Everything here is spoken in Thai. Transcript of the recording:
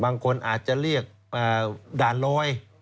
บางคนอาจจะเรียกด่านลอย